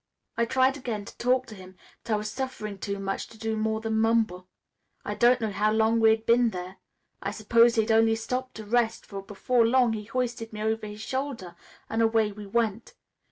"I tried again to talk to him, but I was suffering too much to do more than mumble. I don't know how long we'd been there. I suppose he'd only stopped to rest, for before long he hoisted me over his shoulder again and away we went.